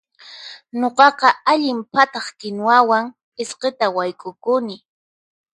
Nuqaqa allin phataq kinuwawan p'isqita wayk'ukuni.